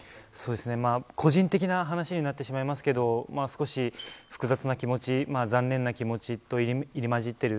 個人的な話になってしまいますけど少し複雑な気持ち残念な気持ちと入り混じっている。